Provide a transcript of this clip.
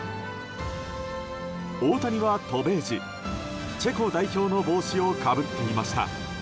大谷は渡米時、チェコ代表の帽子をかぶっていました。